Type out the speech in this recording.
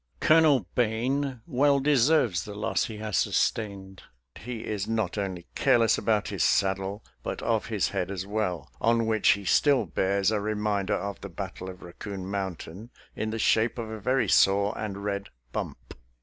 Colonel Bane well deserves the loss he has sustained; he is not only careless about his saddle, but of his head as well, on which he still bears a reminder of the battle of Raccoon Mountain in the shape of a very sore and red bump.